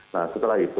nah setelah itu